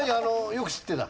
よく知ってた？